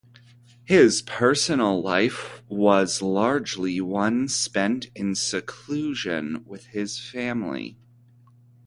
His personal life was largely one spent in seclusion with his family.